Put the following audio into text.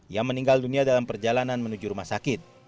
ia meninggal dunia dalam perjalanan menuju rumah sakit